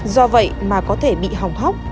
do vậy mà có thể bị hỏng hóc